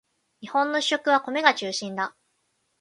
日本の主食は米が中心だ